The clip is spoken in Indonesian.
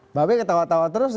mbak be ketawa tawa terus